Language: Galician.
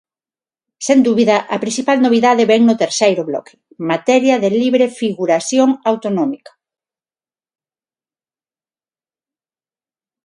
Sen dúbida, a principal novidade vén no terceiro bloque: materia de libre figuración autonómica.